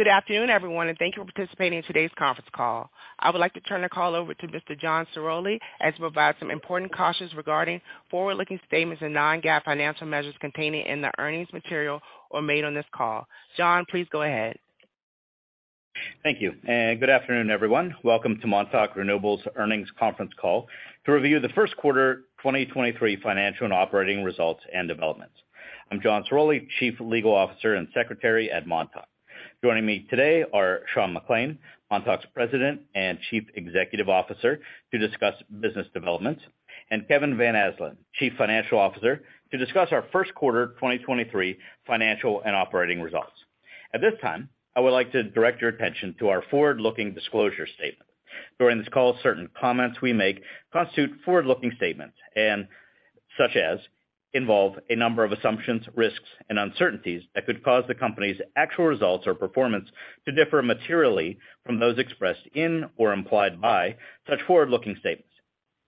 Good afternoon, everyone, and thank you for participating in today's conference call. I would like to turn the call over to Mr. John Ciroli as he provides some important cautions regarding forward-looking statements and non-GAAP financial measures contained in the earnings material or made on this call. John, please go ahead. Thank you. Good afternoon, everyone. Welcome to Montauk Renewables Earnings Conference Call to review the First Quarter 2023 Financial and Operating Results and Developments. I'm John Ciroli; Chief Legal Officer and Secretary at Montauk. Joining me today are Sean McClain; Montauk's President and Chief Executive Officer, to discuss business developments, and Kevin Van Asdalan; Chief Financial Officer, to discuss our First Quarter 2023 Financial and Operating Results. At this time, I would like to direct your attention to our forward-looking disclosure statement. During this call, certain comments we make constitute forward-looking statements and such as involve a number of assumptions, risks, and uncertainties that could cause the company's actual results or performance to differ materially from those expressed in or implied by such forward-looking statements.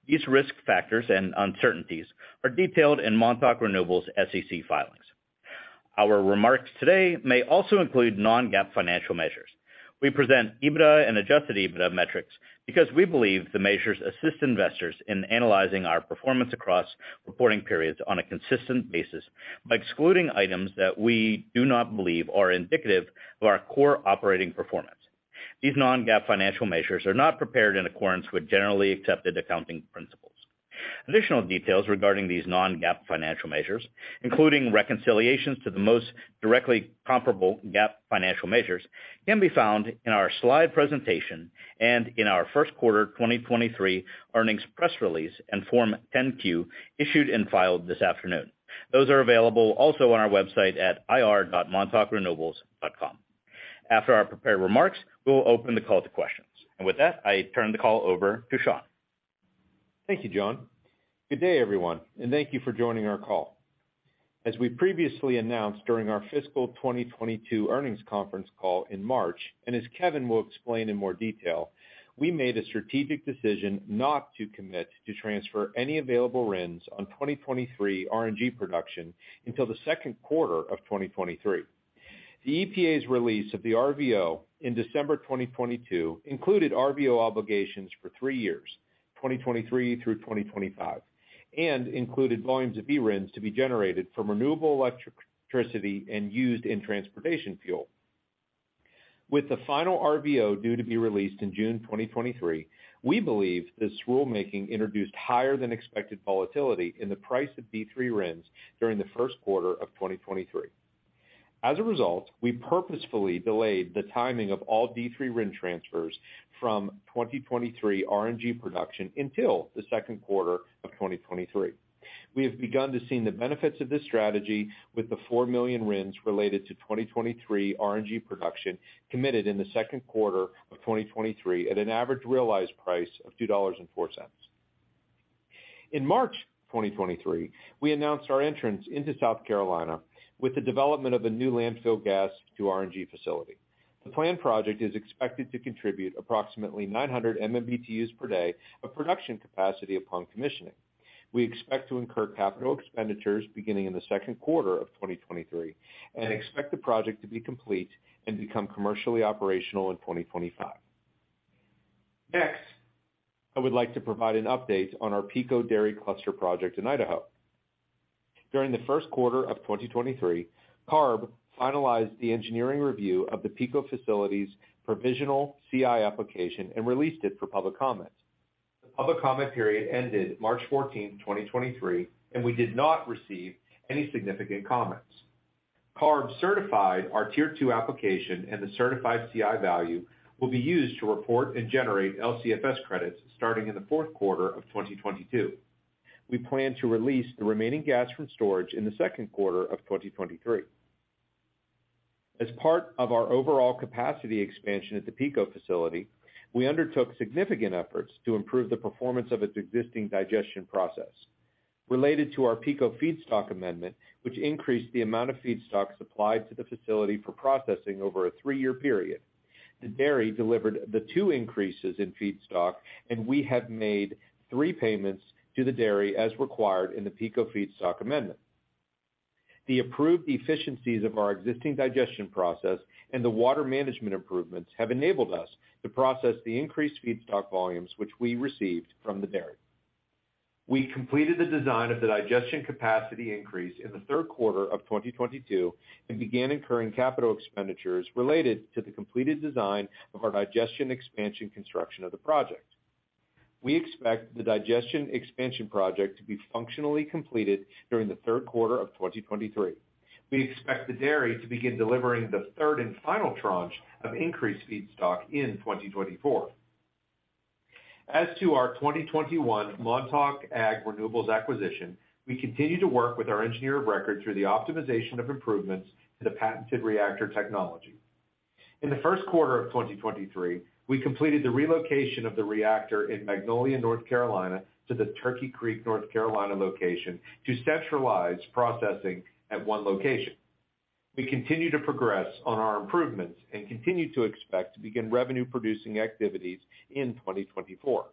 These risk factors and uncertainties are detailed in Montauk Renewables' SEC filings. Our remarks today may also include non-GAAP financial measures. We present EBITDA and Adjusted EBITDA metrics because we believe the measures assist investors in analyzing our performance across reporting periods on a consistent basis by excluding items that we do not believe are indicative of our core operating performance. These non-GAAP financial measures are not prepared in accordance with generally accepted accounting principles. Additional details regarding these non-GAAP financial measures, including reconciliations to the most directly comparable GAAP financial measures, can be found in our slide presentation and in our first quarter 2023 earnings press release and Form 10-Q issued and filed this afternoon. Those are available also on our website at ir.montaukrenewables.com. After our prepared remarks, we will open the call to questions. With that, I turn the call over to Sean. Thank you, John. Good day, everyone, and thank you for joining our call. As we previously announced during our fiscal 2022 earnings conference call in March, and as Kevin will explain in more detail, we made a strategic decision not to commit to transfer any available RINs on 2023 RNG production until the second quarter of 2023. The EPA's release of the RVO in December 2022 included RVO obligations for three years, 2023 through 2025, and included volumes of eRINs to be generated from renewable electricity and used in transportation fuel. With the final RVO due to be released in June 2023, we believe this rulemaking introduced higher than expected volatility in the price of D3 RINs during the first quarter of 2023. As a result, we purposefully delayed the timing of all D3 RIN transfers from 2023 RNG production until the second quarter of 2023. We have begun to see the benefits of this strategy with the four million RINs related to 2023 RNG production committed in the second quarter of 2023 at an average realized price of $2.04. In March 2023, we announced our entrance into South Carolina with the development of a new landfill gas to RNG facility. The planned project is expected to contribute approximately 900 MMBtus per day of production capacity upon commissioning. We expect to incur capital expenditures beginning in the second quarter of 2023 and expect the project to be complete and become commercially operational in 2025. Next, I would like to provide an update on our Pico Dairy cluster project in Idaho. During the 1st quarter of 2023, CARB finalized the engineering review of the Pico facility's provisional CI application and released it for public comment. The public comment period ended March 14, 2023. We did not receive any significant comments. CARB certified our Tier 2 application, and the certified CI value will be used to report and generate LCFS credits starting in the 4th quarter of 2022. We plan to release the remaining gas from storage in the 2nd quarter of 2023. As part of our overall capacity expansion at the Pico facility, we undertook significant efforts to improve the performance of its existing digestion process. Related to our Pico feedstock amendment, which increased the amount of feedstock supplied to the facility for processing over a three-year period, the dairy delivered the two increases in feedstock, and we have made three payments to the dairy as required in the Pico feedstock amendment. The approved efficiencies of our existing digestion process and the water management improvements have enabled us to process the increased feedstock volumes which we received from the dairy. We completed the design of the digestion capacity increase in the third quarter of 2022 and began incurring capital expenditures related to the completed design of our digestion expansion construction of the project. We expect the digestion expansion project to be functionally completed during the third quarter of 2023. We expect the dairy to begin delivering the third and final tranche of increased feedstock in 2024. As to our 2021 Montauk Ag Renewables acquisition, we continue to work with our engineer of record through the optimization of improvements to the patented reactor technology. In the first quarter of 2023, we completed the relocation of the reactor in Magnolia, North Carolina, to the Turkey Creek, North Carolina, location to centralize processing at one location. We continue to progress on our improvements and continue to expect to begin revenue-producing activities in 2024.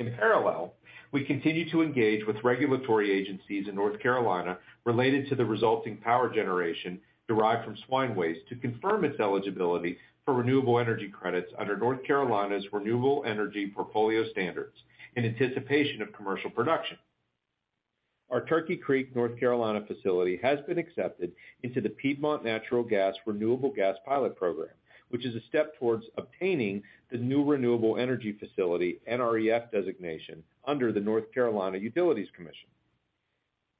In parallel, we continue to engage with regulatory agencies in North Carolina related to the resulting power generation derived from swine waste to confirm its eligibility for renewable energy credits under North Carolina's Renewable Energy Portfolio Standards in anticipation of commercial production. Our Turkey Creek, North Carolina facility has been accepted into the Piedmont Natural Gas Renewable Gas Pilot Program, which is a step towards obtaining the new renewable energy facility, NREF designation under the North Carolina Utilities Commission.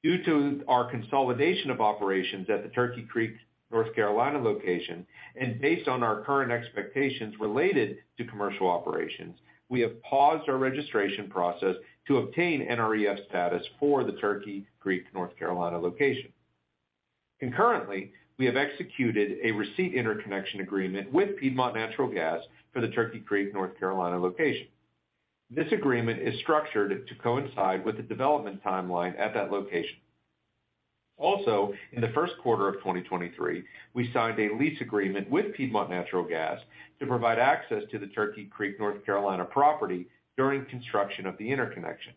Due to our consolidation of operations at the Turkey Creek, North Carolina location, and based on our current expectations related to commercial operations, we have paused our registration process to obtain NREF status for the Turkey Creek, North Carolina location. Concurrently, we have executed a receipt interconnection agreement with Piedmont Natural Gas for the Turkey Creek, North Carolina location. This agreement is structured to coincide with the development timeline at that location. Also, in the first quarter of 2023, we signed a lease agreement with Piedmont Natural Gas to provide access to the Turkey Creek, North Carolina property during construction of the interconnection.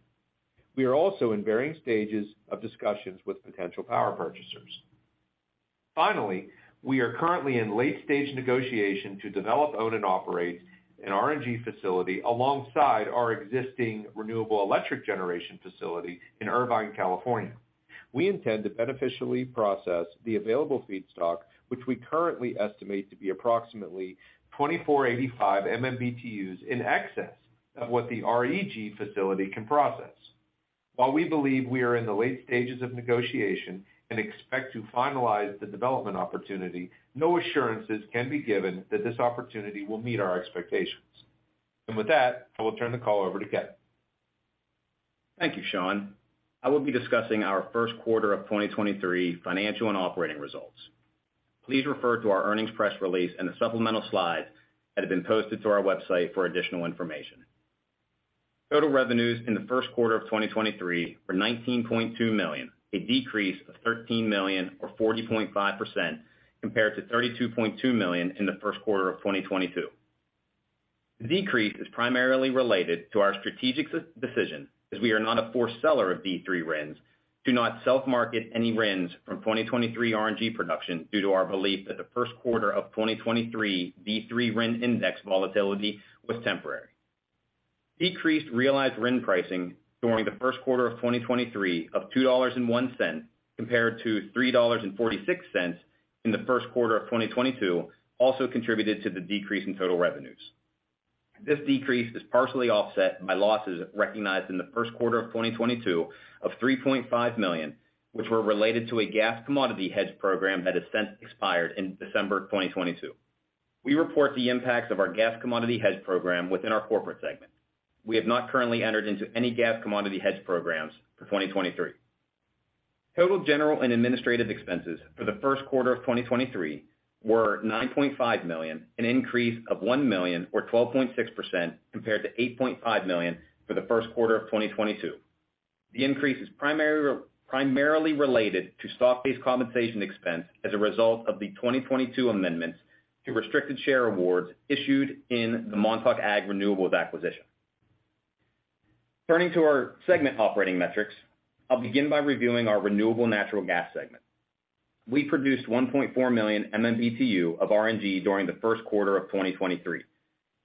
We are also in varying stages of discussions with potential power purchasers. Finally, we are currently in late-stage negotiation to develop, own, and operate an RNG facility alongside our existing Renewable Electric Generation facility in Irvine, California. We intend to beneficially process the available feedstock, which we currently estimate to be approximately 2,485 MMBtus in excess of what the REG facility can process. While we believe we are in the late stages of negotiation and expect to finalize the development opportunity, no assurances can be given that this opportunity will meet our expectations. With that, I will turn the call over to Kevin. Thank you, Sean. I will be discussing our First Quarter of 2023 Financial and Operating Results. Please refer to our earnings press release and the supplemental slides that have been posted to our website for additional information. Total revenues in the first quarter of 2023 were $19.2 million, a decrease of $13 million or 40.5% compared to $32.2 million in the first quarter of 2022. The decrease is primarily related to our strategic de-decision, as we are not a forced seller of D3 RINs, to not self-market any RINs from 2023 RNG production due to our belief that the first quarter of 2023 D3 RIN index volatility was temporary. Decreased realized RIN pricing during the first quarter of 2023 of $2.01, compared to $3.46 in the first quarter of 2022 also contributed to the decrease in total revenues. This decrease is partially offset by losses recognized in the first quarter of 2022 of $3.5 million, which were related to a gas commodity hedge program that has since expired in December 2022. We report the impacts of our gas commodity hedge program within our corporate segment. We have not currently entered into any gas commodity hedge programs for 2023. Total general and administrative expenses for the first quarter of 2023 were $9.5 million, an increase of $1 million or 12.6% compared to $8.5 million for the first quarter of 2022. The increase is primarily related to stock-based compensation expense as a result of the 2022 amendments to restricted share awards issued in the Montauk Ag Renewables acquisition. Turning to our segment operating metrics, I'll begin by reviewing our renewable natural gas segment. We produced 1.4 million MMBtu of RNG during the first quarter of 2023,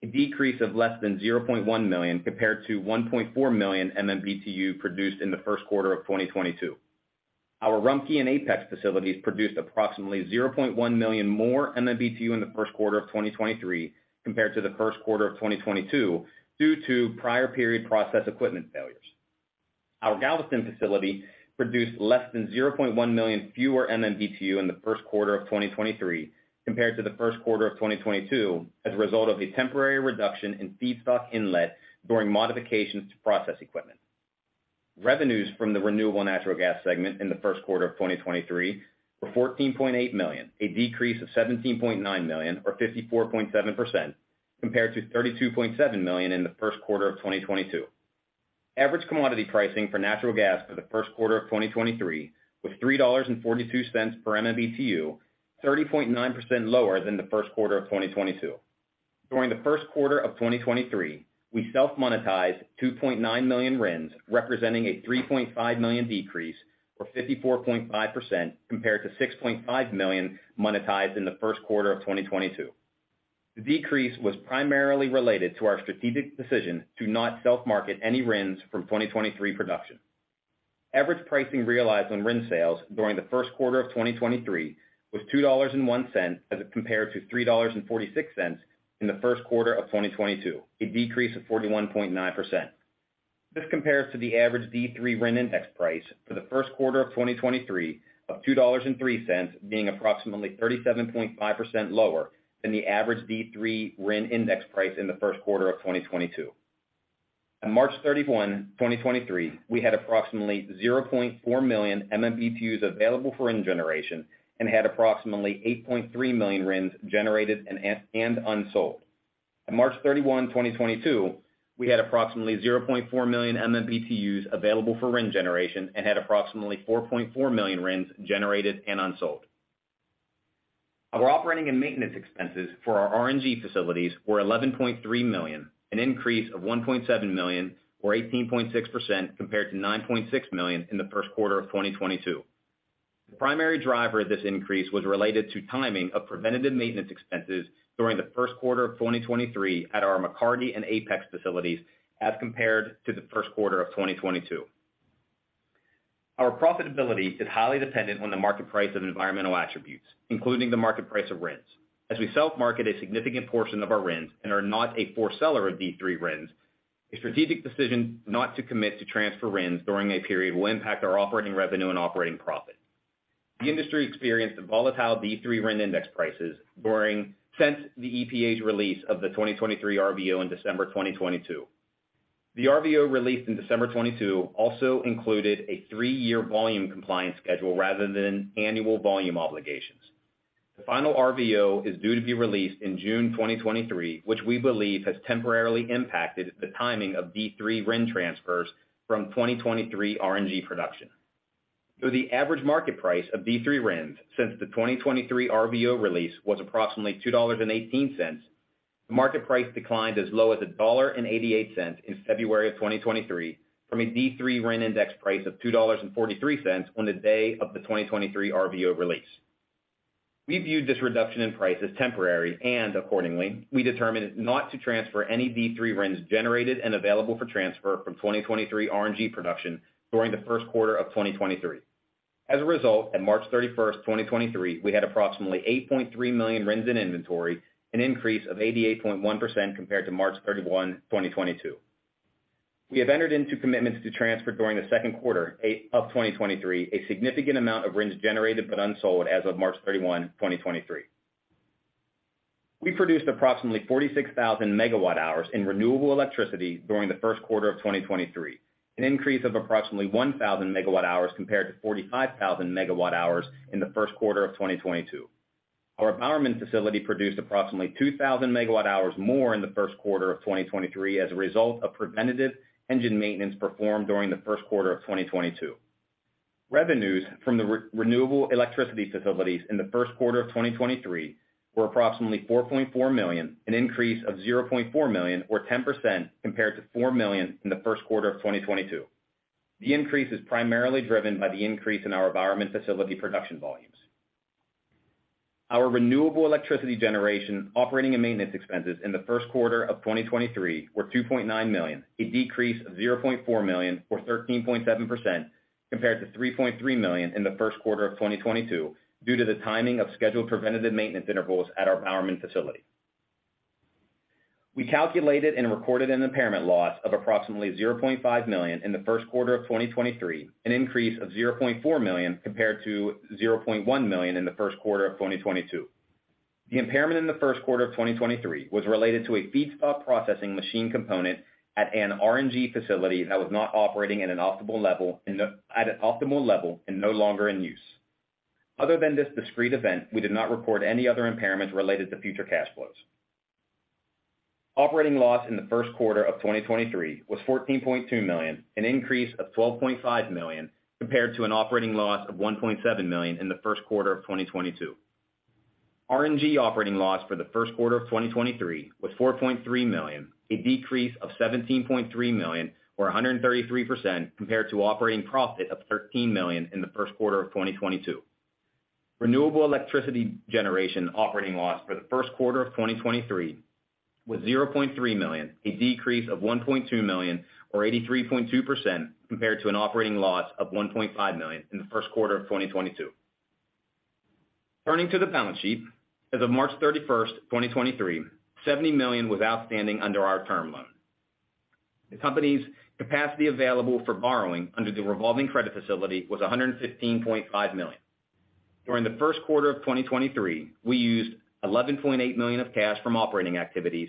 a decrease of less than 0.1 million compared to 1.4 million MMBtu produced in the first quarter of 2022. Our Rumpke and Apex facilities produced approximately 0.1 million more MMBtu in the first quarter of 2023 compared to the first quarter of 2022 due to prior period process equipment failures. Our Galveston facility produced less than 0.1 million fewer MMBtu in the first quarter of 2023 compared to the first quarter of 2022 as a result of a temporary reduction in feedstock inlet during modifications to process equipment. Revenues from the renewable natural gas segment in the first quarter of 2023 were $14.8 million, a decrease of $17.9 million or 54.7% compared to $32.7 million in the first quarter of 2022. Average commodity pricing for natural gas for the first quarter of 2023 was $3.42 per MMBtu, 30.9% lower than the first quarter of 2022. During the first quarter of 2023, we self-monetized 2.9 million RINs, representing a 3.5 million decrease or 54.5% compared to 6.5 million monetized in the first quarter of 2022. The decrease was primarily related to our strategic decision to not self-market any RINs from 2023 production. Average pricing realized on RIN sales during the first quarter of 2023 was $2.01 as it compared to $3.46 in the first quarter of 2022, a decrease of 41.9%. This compares to the average D3 RIN index price for the first quarter of 2023 of $2.03 being approximately 37.5% lower than the average D3 RIN index price in the first quarter of 2022. On March 31, 2023, we had approximately 0.4 million MMBtus available for RIN generation and had approximately 8.3 million RINs generated and unsold. On March 31, 2022, we had approximately 0.4 million MMBtus available for RIN generation and had approximately 4.4 million RINs generated and unsold. Our operating and maintenance expenses for our RNG facilities were $11.3 million, an increase of $1.7 million or 18.6% compared to $9.6 million in the first quarter of 2022. The primary driver of this increase was related to timing of preventative maintenance expenses during the first quarter of 2023 at our McCarty and Apex facilities as compared to the first quarter of 2022. Our profitability is highly dependent on the market price of environmental attributes, including the market price of RINs. As we self-market a significant portion of our RINs and are not a forced seller of D3 RINs, a strategic decision not to commit to transfer RINs during a period will impact our operating revenue and operating profit. The industry experienced the volatile D3 RIN index prices since the EPA's release of the 2023 RVO in December 2022. The RVO released in December 2022 also included a 3-year volume compliance schedule rather than annual volume obligations. The final RVO is due to be released in June 2023, which we believe has temporarily impacted the timing of D3 RIN transfers from 2023 RNG production. Though the average market price of D3 RINs since the 2023 RVO release was approximately $2.18, the market price declined as low as $1.88 in February of 2023 from a D3 RIN index price of $2.43 on the day of the 2023 RVO release. We viewed this reduction in price as temporary, and accordingly, we determined not to transfer any D3 RINs generated and available for transfer from 2023 RNG production during the first quarter of 2023. As a result, on March 31st, 2023, we had approximately 8.3 million RINs in inventory, an increase of 88.1% compared to March 31, 2022. We have entered into commitments to transfer during the second quarter of 2023, a significant amount of RINs generated but unsold as of March 31, 2023. We produced approximately 46,000 megawatt hours in renewable electricity during the first quarter of 2023, an increase of approximately 1,000 megawatt hours compared to 45,000 megawatt hours in the first quarter of 2022. Our Bowerman facility produced approximately 2,000 megawatt hours more in the first quarter of 2023 as a result of preventative engine maintenance performed during the first quarter of 2022. Revenues from the renewable electricity facilities in the first quarter of 2023 were approximately $4.4 million, an increase of $0.4 million or 10% compared to $4 million in the first quarter of 2022. The increase is primarily driven by the increase in our Bowerman facility production volumes. Our renewable electricity generation operating and maintenance expenses in the first quarter of 2023 were $2.9 million, a decrease of $0.4 million or 13.7% compared to $3.3 million in the first quarter of 2022 due to the timing of scheduled preventative maintenance intervals at our Bowerman facility. We calculated and recorded an impairment loss of approximately $0.5 million in the first quarter of 2023, an increase of $0.4 million compared to $0.1 million in the first quarter of 2022. The impairment in the first quarter of 2023 was related to a feedstock processing machine component at an RNG facility that was not operating at an optimal level and no longer in use. Other than this discrete event, we did not report any other impairments related to future cash flows. Operating loss in the first quarter of 2023 was $14.2 million, an increase of $12.5 million compared to an operating loss of $1.7 million in the first quarter of 2022. RNG operating loss for the first quarter of 2023 was $4.3 million, a decrease of $17.3 million or 133% compared to operating profit of $13 million in the first quarter of 2022. Renewable electricity generation operating loss for the first quarter of 2023 was $0.3 million, a decrease of $1.2 million or 83.2% compared to an operating loss of $1.5 million in the first quarter of 2022. Turning to the balance sheet, as of March 31, 2023, $70 million was outstanding under our term loan. The company's capacity available for borrowing under the revolving credit facility was $115.5 million. During the first quarter of 2023, we used $11.8 million of cash from operating activities,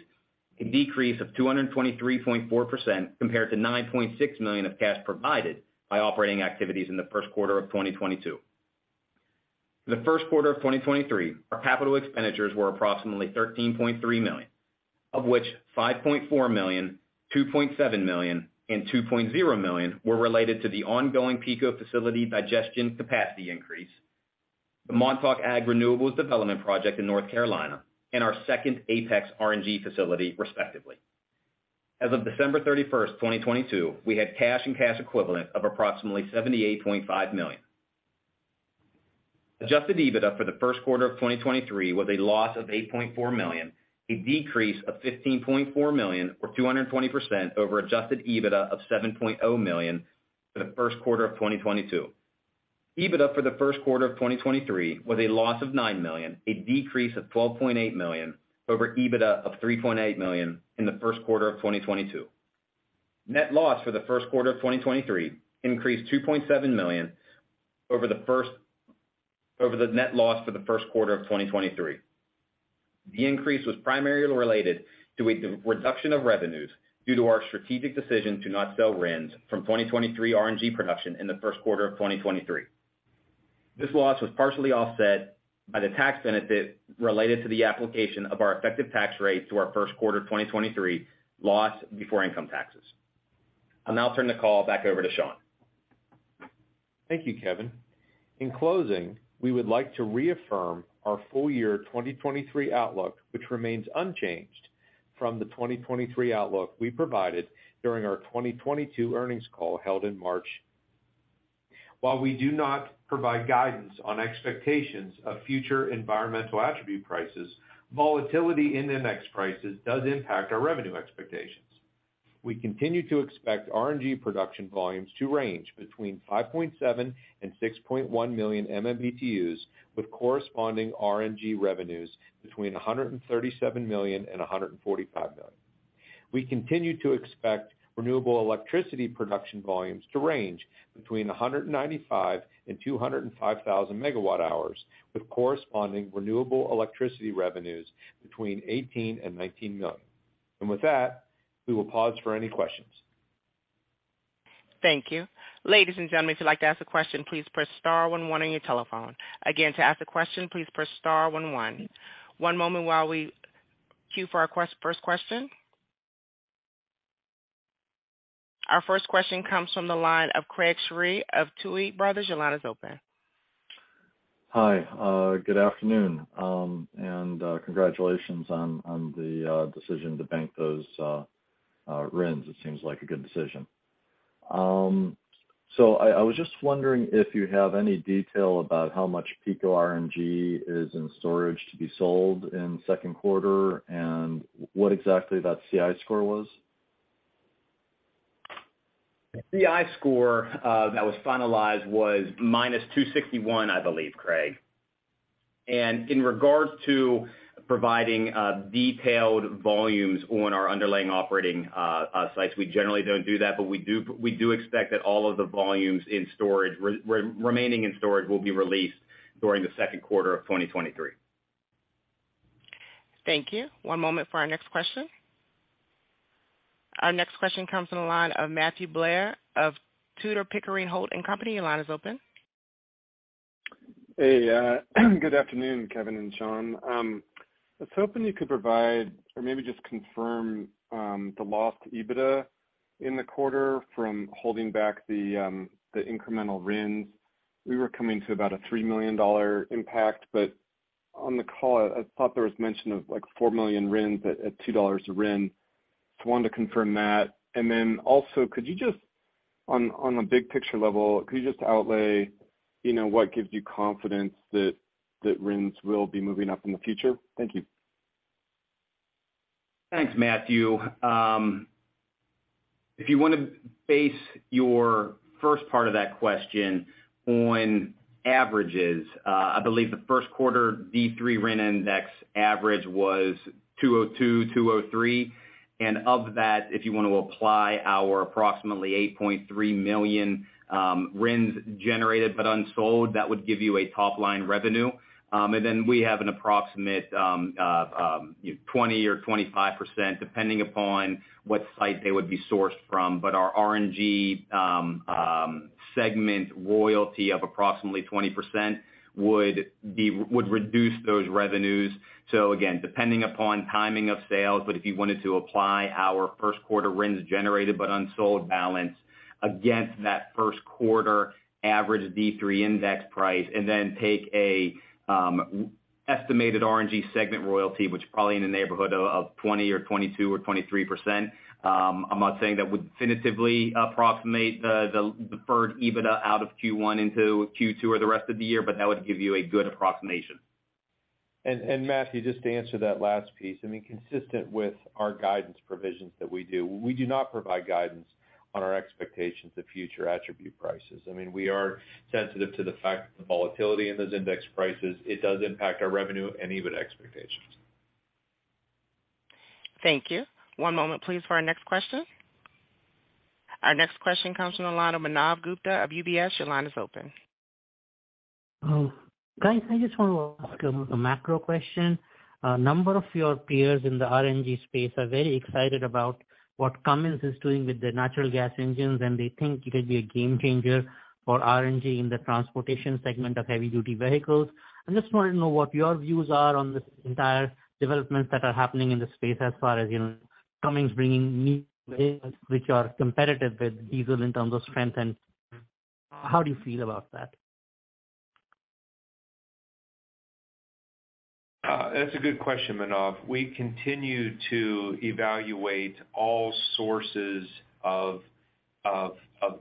a decrease of 223.4% compared to $9.6 million of cash provided by operating activities in the first quarter of 2022. For the first quarter of 2023, our capital expenditures were approximately $13.3 million, of which $5.4 million, $2.7 million, and $2.0 million were related to the ongoing Pico facility digestion capacity increase, the Montauk Ag Renewables development project in North Carolina, and our second Apex RNG facility respectively. As of December 31st, 2022, we had cash and cash equivalent of approximately $78.5 million. Adjusted EBITDA for the first quarter of 2023 was a loss of $8.4 million, a decrease of $15.4 million or 220% over Adjusted EBITDA of $7.0 million for the first quarter of 2022. EBITDA for the first quarter of 2023 was a loss of $9 million, a decrease of $12.8 million over EBITDA of $3.8 million in the first quarter of 2022. Net loss for the first quarter of 2023 increased $2.7 million over the net loss for the first quarter of 2023. The increase was primarily related to a reduction of revenues due to our strategic decision to not sell RINs from 2023 RNG production in the first quarter of 2023. This loss was partially offset by the tax benefit related to the application of our effective tax rate to our first quarter of 2023 loss before income taxes. I'll now turn the call back over to Sean. Thank you, Kevin. In closing, we would like to reaffirm our full year 2023 outlook, which remains unchanged from the 2023 outlook we provided during our 2022 earnings call held in March. While we do not provide guidance on expectations of future environmental attribute prices, volatility in index prices does impact our revenue expectations. We continue to expect RNG production volumes to range between 5.7 million and 6.1 million MMBtus, with corresponding RNG revenues between $137 million and $145 million. We continue to expect renewable electricity production volumes to range between 195,000 and 205,000 megawatt hours, with corresponding renewable electricity revenues between $18 million and $19 million. With that, we will pause for any questions. Thank you. Ladies and gentlemen, if you'd like to ask a question, please press star one, one on your telephone. Again, to ask a question, please press star one, one. One moment while we queue for our first question. Our first question comes from the line of Craig Shere of Tuohy Brothers. Your line is open. Hi, good afternoon. Congratulations on the decision to bank those RINs. It seems like a good decision. I was just wondering if you have any detail about how much Pico RNG is in storage to be sold in second quarter and what exactly that CI score was? The CI score, that was finalized was minus 261, I believe, Craig. In regards to providing, detailed volumes on our underlying operating, sites, we generally don't do that. We do expect that all of the volumes in storage remaining in storage will be released during the second quarter of 2023. Thank you. One moment for our next question. Our next question comes from the line of Matthew Blair of Tudor, Pickering, Holt & Co. Your line is open. Hey, good afternoon, Kevin and Sean. I was hoping you could provide or maybe just confirm the lost EBITDA in the quarter from holding back the incremental RINs. We were coming to about a $3 million impact, but on the call, I thought there was mention of 4 million RINs at $2 a RIN. Just wanted to confirm that. Could you just, on a big picture level, could you just outlay, you know, what gives you confidence that RINs will be moving up in the future? Thank you. Thanks, Matthew. If you want to base your first part of that question on averages, I believe the first quarter D3 RIN index average was $202, $203. Of that, if you want to apply our approximately 8.3 million RINs generated but unsold, that would give you a top line revenue. Then we have an approximate, you know, 20% or 25%, depending upon what site they would be sourced from. Our RNG segment royalty of approximately 20% would reduce those revenues. Again, depending upon timing of sales, if you wanted to apply our first quarter RINs generated but unsold balance against that first quarter average D3 index price, then take a estimated RNG segment royalty, which is probably in the neighborhood of 20% or 22% or 23%. I'm not saying that would definitively approximate the deferred EBITDA out of Q1 into Q2 or the rest of the year, that would give you a good approximation. Matthew, just to answer that last piece, I mean, consistent with our guidance provisions that we do not provide guidance on our expectations of future attribute prices. I mean, we are sensitive to the fact that the volatility in those index prices, it does impact our revenue and EBITDA expectations. Thank you. One moment, please, for our next question. Our next question comes from the line of Manav Gupta of UBS. Your line is open. Guys, I just want to ask a macro question. A number of your peers in the RNG space are very excited about what Cummins is doing with the natural gas engines, and they think it could be a game changer for RNG in the transportation segment of heavy duty vehicles. I just wanted to know what your views are on this entire developments that are happening in the space as far as, you know, Cummins bringing new vehicles which are competitive with diesel in terms of strength and how do you feel about that? That's a good question, Manav. We continue to evaluate all sources of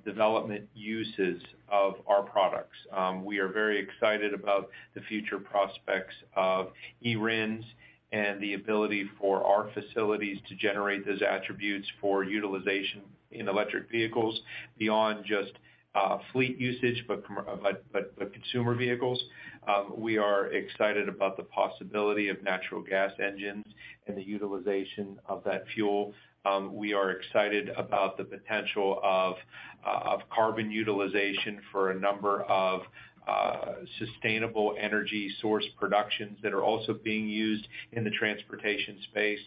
development uses of our products. We are very excited about the future prospects of eRINs and the ability for our facilities to generate those attributes for utilization in electric vehicles beyond just fleet usage, but consumer vehicles. We are excited about the possibility of natural gas engines and the utilization of that fuel. We are excited about the potential of carbon utilization for a number of sustainable energy source productions that are also being used in the transportation space.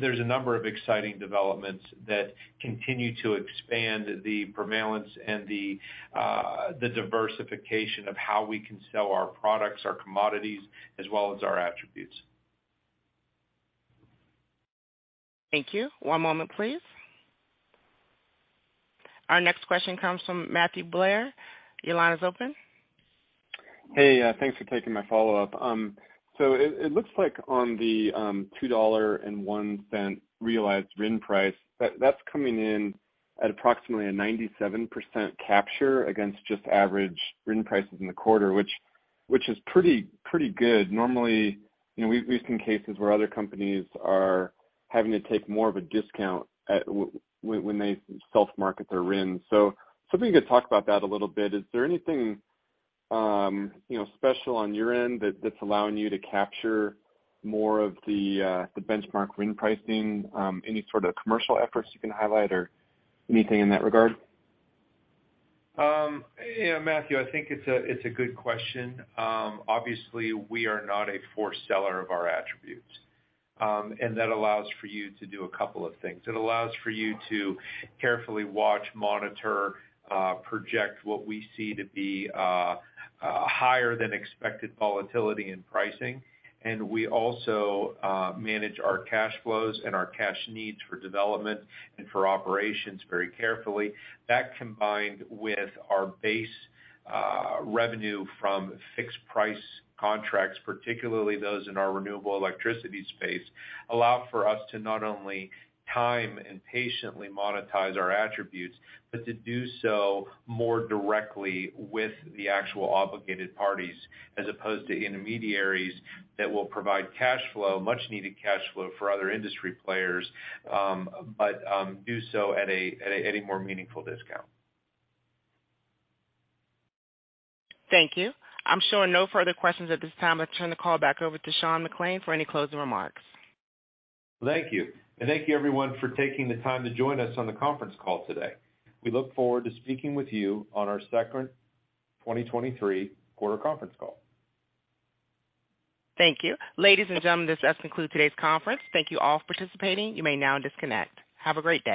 There's a number of exciting developments that continue to expand the prevalence and the diversification of how we can sell our products, our commodities, as well as our attributes. Thank you. One moment, please. Our next question comes from Matthew Blair. Your line is open. Hey, thanks for taking my follow-up. It looks like on the $2.01 realized RIN price, that's coming in at approximately a 97% capture against just average RIN prices in the quarter, which is pretty good. Normally, you know, we've seen cases where other companies are having to take more of a discount when they self-market their RINs. Was hoping you could talk about that a little bit. Is there anything, you know, special on your end that's allowing you to capture more of the benchmark RIN pricing? Any sort of commercial efforts you can highlight or anything in that regard? Yeah, Matthew, I think it's a good question. Obviously we are not a forced seller of our attributes. That allows for you to do a couple of things. It allows for you to carefully watch, monitor, project what we see to be higher than expected volatility in pricing. We also manage our cash flows and our cash needs for development and for operations very carefully. That combined with our base revenue from fixed price contracts, particularly those in our renewable electricity space, allow for us to not only time and patiently monetize our attributes, but to do so more directly with the actual obligated parties as opposed to intermediaries that will provide cash flow, much needed cash flow for other industry players, but do so at a more meaningful discount. Thank you. I'm showing no further questions at this time. I'll turn the call back over to Sean McClain for any closing remarks. Thank you. Thank you everyone for taking the time to join us on the conference call today. We look forward to speaking with you on our second 2023 quarter conference call. Thank you. Ladies and gentlemen, this does conclude today's conference. Thank you all for participating. You may now disconnect. Have a great day.